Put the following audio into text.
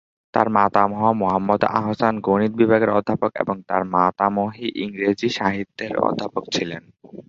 তার মাতামহ মোহাম্মদ আহসান গণিত বিভাগের অধ্যাপক এবং তার মাতামহী ইংরেজি সাহিত্যের অধ্যাপক ছিলেন।